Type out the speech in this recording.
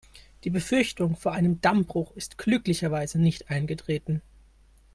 Die Befürchtung vor einem Dammbruch ist glücklicherweise nicht eingetreten.